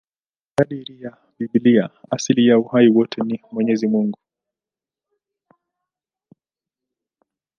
Kadiri ya Biblia, asili ya uhai wote ni Mwenyezi Mungu.